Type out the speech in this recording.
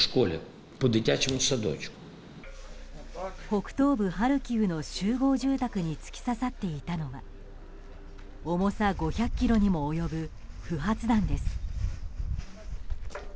北東部ハルキウの集合住宅に突き刺さっていたのは重さ５００ｋｇにも及ぶ不発弾です。